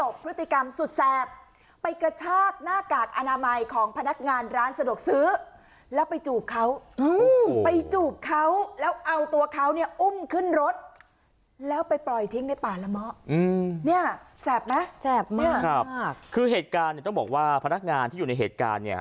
ขี้มาหมื่นกว่าบาท